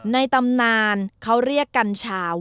ตำนานเขาเรียกกัญชา